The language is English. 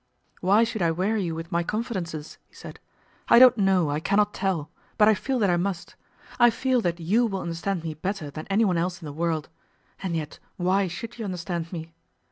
'Why should I weary you with my confidences?' he said. 'I don't know, I cannot tell; but I feel that I must. I feel that you will understand me better than anyone else in the world. And yet why should you understand me?